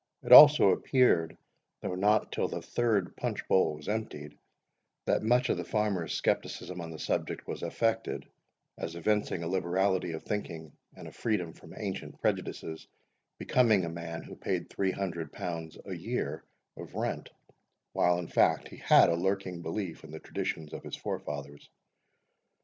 It also appeared, though not till the third punch bowl was emptied, that much of the farmer's scepticism on the subject was affected, as evincing a liberality of thinking, and a freedom from ancient prejudices, becoming a man who paid three hundred pounds a year of rent, while, in fact, he had a lurking belief in the traditions of his forefathers.